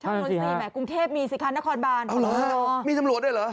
ช่องรถสี่ไหมกรุงเทพมีสิคะนครบาลโทษมากเอาเหรอมีตำรวจได้เหรอ